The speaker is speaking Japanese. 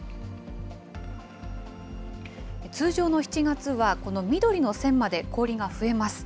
通常の７月は、この緑の線まで氷が増えます。